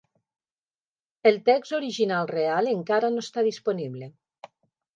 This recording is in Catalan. El text original real encara no està disponible.